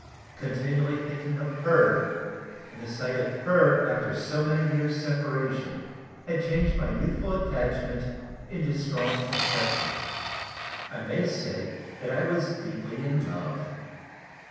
Continually thinking of her, and the sight of her after so many years' separation, had changed my youthful attachment into strong affection. I may say that I was deeply in love.